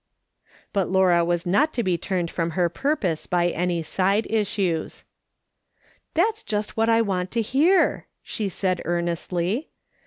" But Laura was not to be turned from her purpose by any side issues. "That's just what I want to hear," she said earnestly.